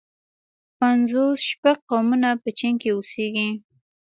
پنځوس شپږ قومونه په چين کې اوسيږي.